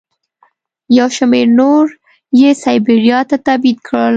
یو شمېر نور یې سایبریا ته تبعید کړل.